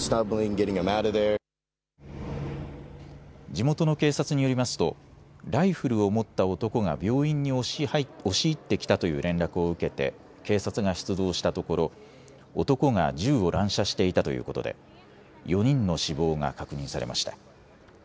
地元の警察によりますとライフルを持った男が病院に押し入ってきたという連絡を受けて警察が出動したところ男が銃を乱射していたということで４人の死亡が確認されました。